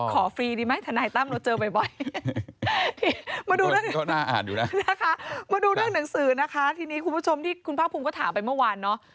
ขอฟรีดีไหมทนายตั้มเราเจอบ่อยมาดูเรื่องหนังสือนะคะทีนี้คุณผู้ชมที่คุณภาคภูมิก็ถามไปเมื่อวานเนาะ